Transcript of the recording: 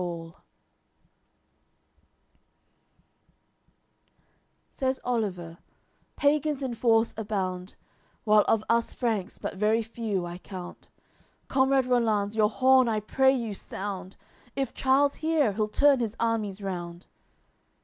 LXXXIII Says Oliver: "Pagans in force abound, While of us Franks but very few I count; Comrade Rollanz, your horn I pray you sound! If Charles hear, he'll turn his armies round."